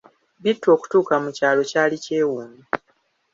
Bittu okutuuka mu kyalo kyali kyewuunyo.